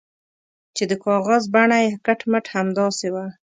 چې د کاغذ بڼه یې کټ مټ همداسې وه.